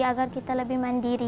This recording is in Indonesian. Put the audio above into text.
agar kita lebih mandiri